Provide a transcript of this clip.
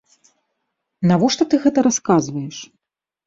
Навошта ты гэта расказваеш?